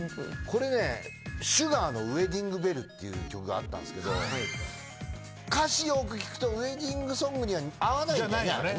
これねＳｕｇａｒの『ウエディング・ベル』っていう曲があったんすけど歌詞よく聴くとウエディングソングには合わないんだよね。